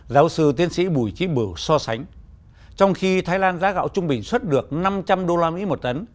giáo sư tiến sĩ bùi trí bửu so sánh trong khi thái lan giá gạo trung bình xuất được năm trăm linh usd một tấn